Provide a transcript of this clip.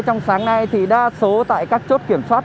trong sáng nay thì đa số tại các chốt kiểm soát